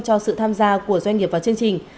cho sự tham gia của doanh nghiệp vào chương trình